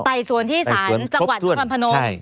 ไต่สวนที่สารจังหวัดพรรณพนม